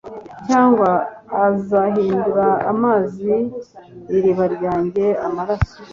cyangwa azahindura amazi mu iriba ryanjye amaraso